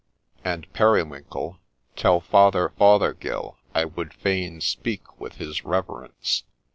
And, Periwinkle, — tell Father Fothergill I would fain speak with his Reverence.'